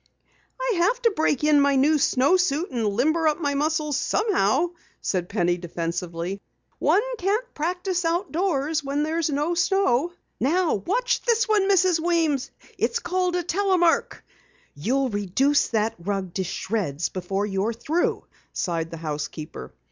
"I have to break in my new suit and limber up my muscles somehow," said Penny defensively. "One can't practice outdoors when there's no snow. Now watch this one, Mrs. Weems. It's called a telemark." "You'll reduce that rug to shreds before you're through," sighed the housekeeper.